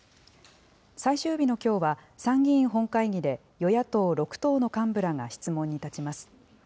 最終日のきょうは、参議院本会議で与野党６党の幹部らが質問に立ちます。